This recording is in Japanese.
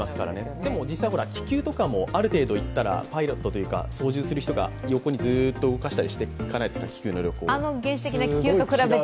でも実際、気球とかもある程度いったら、パイロットというか、操縦する人が横にずっと動かしていかないですか、気球って。